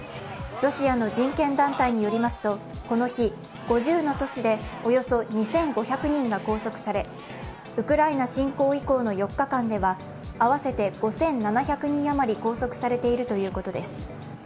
ロシアの人権団体によりますと、この日、５０の都市でおよそ２５００人が拘束されウクライナ侵攻以降の４日間では合わせて５７００人余り拘束されているということです。